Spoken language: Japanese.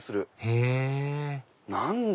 へぇ何だ？